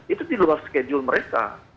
itu di luar schedule mereka